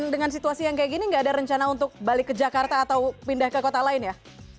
dengan situasi yang kayak gini nggak ada rencana untuk balik ke jakarta atau pindah ke kota lain ya